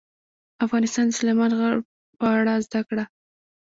افغانستان کې د سلیمان غر په اړه زده کړه.